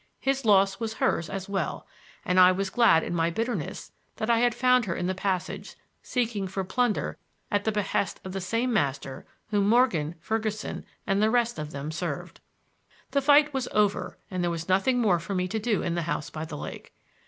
His loss was hers as well, and I was glad in my bitterness that I had found her in the passage, seeking for plunder at the behest of the same master whom Morgan, Ferguson and the rest of them served. The fight was over and there was nothing more for me to do in the house by the lake.